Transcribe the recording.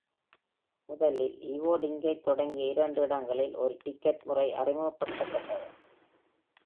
முதலில் ஈவோடிங்கைத் தொடங்கிய இரண்டு இடங்களில், ஒரு "டிக்கெட்" முறை அறிமுகப்படுத்தப்பட்டது.